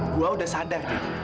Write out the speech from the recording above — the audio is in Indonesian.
saya sudah sadar itu